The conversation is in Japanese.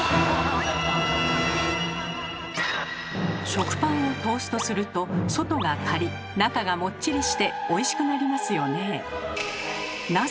食パンをトーストすると外がカリッ中がもっちりしておいしくなりますよね。